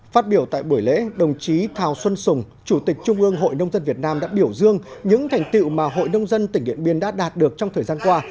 phát biểu tại buổi lễ đồng chí thào xuân sùng chủ tịch trung ương hội nông dân việt nam đã biểu dương những thành tiệu mà hội nông dân tỉnh điện biên đã đạt được trong thời gian qua